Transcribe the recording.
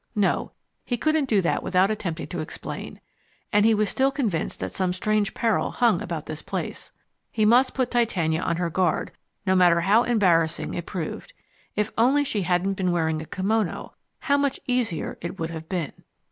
No, he couldn't do that without attempting to explain. And he was still convinced that some strange peril hung about this place. He must put Titania on her guard, no matter how embarrassing it proved. If only she hadn't been wearing a kimono how much easier it would have been.